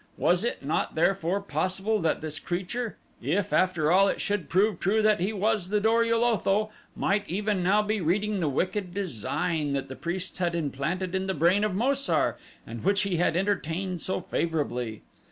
Was it not therefore possible that this creature, if after all it should prove true that he was the Dor ul Otho, might even now be reading the wicked design that the priests had implanted in the brain of Mo sar and which he had entertained so favorably?